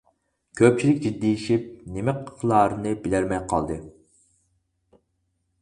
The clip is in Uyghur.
كۆپچىلىك جىددىيلىشىپ، نېمە قىلارىنى بىلەلمەي قالدى.